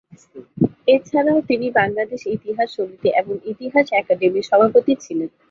এছাড়াও তিনি বাংলাদেশ ইতিহাস সমিতি এবং ইতিহাস একাডেমির সভাপতি ছিলেন।